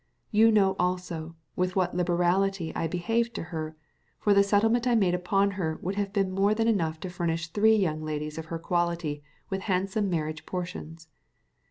You know, also, with what liberality I behaved to her, for the settlement I made upon her would have been more than enough to furnish three young ladies of her quality with handsome marriage portions.